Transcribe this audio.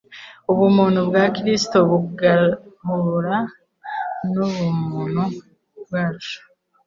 Ubumuntu bwa Kristo bugahura n'ubumuntu bwacu,